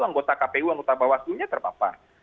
anggota kpu anggota bawah seluruhnya terpapar